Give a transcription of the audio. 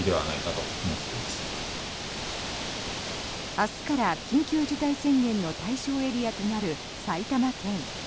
明日から緊急事態宣言の対象エリアとなる埼玉県。